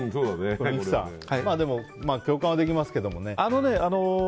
三木さん、共感はできますけどね。